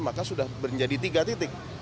maka sudah menjadi tiga titik